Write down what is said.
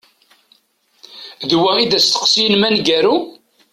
D wa i d asteqsi-inem aneggaru?